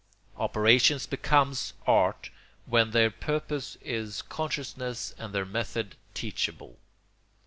Operations become arts when their purpose is conscious and their method teachable.